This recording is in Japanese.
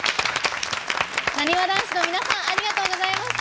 なにわ男子の皆さんありがとうございました。